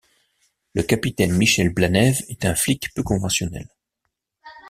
Le capitaine Michel Blanev est un flic peu conventionnel.